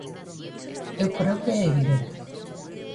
Eu creo que é evidente.